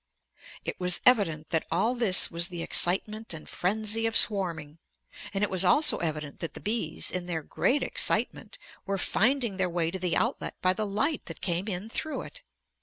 It was evident that all this was the excitement and frenzy of swarming. And it was also evident that the bees, in their great excitement, were finding their way to the outlet by the light that came in through it.